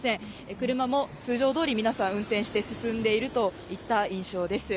車も通常どおり、皆さん、運転して進んでいるといった印象です。